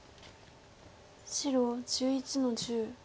白１１の十。